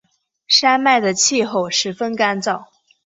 山脉的气候十分干燥。